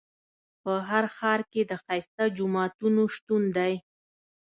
په هر ښار کې د ښایسته جوماتونو شتون دی.